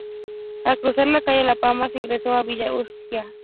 Al cruzar la "calle La Pampa" se ingresa a Villa Urquiza.